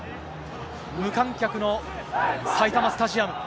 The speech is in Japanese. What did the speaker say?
無観客の埼玉スタジアム。